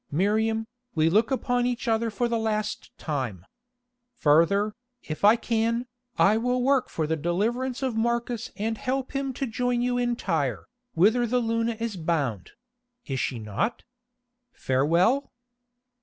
Miriam, we look upon each other for the last time. Further, if I can, I will work for the deliverance of Marcus and help him to join you in Tyre, whither the Luna is bound—is she not? Farewell?"